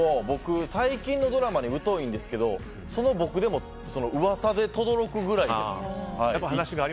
最近のドラマに疎いんですけどその僕でも噂でとどろくぐらいです。